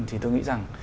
thì tôi nghĩ rằng